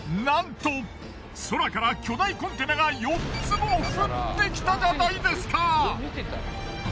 なんと空から巨大コンテナが４つも降ってきたじゃないですか！